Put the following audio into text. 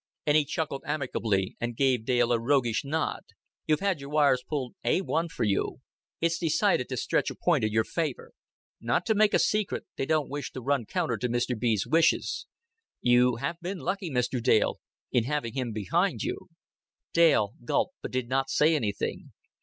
And he chuckled amicably, and gave Dale a roguish nod. "You've had your wires pulled A1 for you. It's decided to stretch a point in your favor. Not to make a secret, they don't wish to run counter to Mr. B.'s wishes. You have been lucky, Mr. Dale, in having him behind you." Dale gulped, but did not say anything.